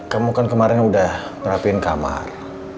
kamu kan kemarin udah merapikan kamar